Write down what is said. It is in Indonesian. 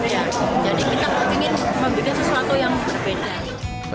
jadi kita ingin membuat sesuatu yang berbeda